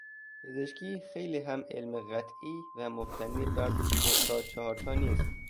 پزشکی خیلی هم علم قطعی و مبتنی بر دو دوتا چهارتا نیست